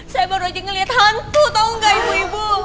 saya baru aja ngeliat hantu tau gak ibu ibu